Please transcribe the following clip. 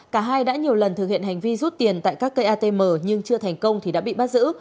cả hai đã nhiều lần thực hiện hành vi rút tiền tại các cây atm nhưng chưa thành công thì đã bị bắt giữ